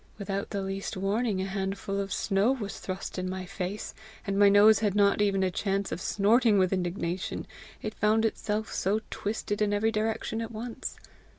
Without the least warning a handful of snow was thrust in my face, and my nose had not even a chance of snorting with indignation, it found itself so twisted in every direction at once!